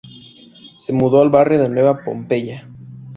Se mudó al barrio de Nueva Pompeya.